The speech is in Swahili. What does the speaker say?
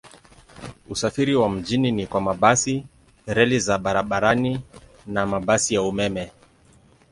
Usafiri wa mjini ni kwa mabasi, reli za barabarani na mabasi ya umeme.